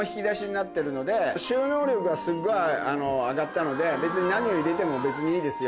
収納力がすっごい上がったので別に何を入れてもいいですよ。